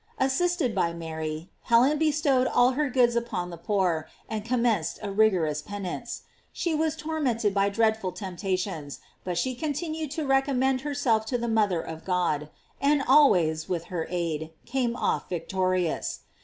Assisted by Mary, Helen bestowed all her goods upon the poor, and commenced a rigorous penance. She was tormented by dreadful temptations, but she 88 GLORIES OP MARY. continued to recommend herself to the mother of God; and always, with her aid, came off vic torious.